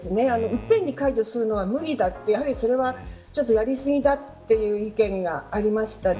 いっぺんに解除するのは無理だってやはりそれはちょっとやりすぎだという意見がありました。